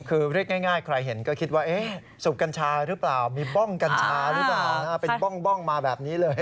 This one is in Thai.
คือเรียกง่ายใครเห็นก็คิดว่าสูบกัญชาหรือเปล่ามีบ้องกัญชาหรือเปล่าเป็นบ้องมาแบบนี้เลย